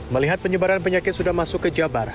melihat penyebaran penyakit sudah masuk ke jabar